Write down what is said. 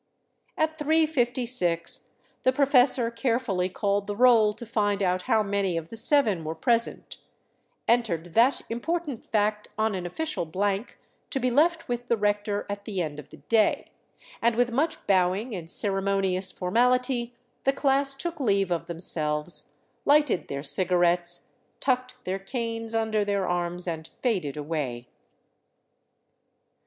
At 3:56 the professor carefully called the roll to find out how many of the seven were present, entered that important fact on an official blank to be left with the rector at the end of the day, and with much bowing and ceremonious formality the class took leave of themselves, lighted their cigarettes, tucked their canes under their arms, and faded away.